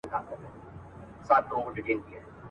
یو یار مي ته یې شل مي نور نیولي دینه.